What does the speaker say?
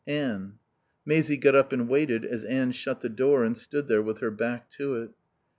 "Anne " Maisie got up and waited, as Anne shut the door and stood there with her back to it.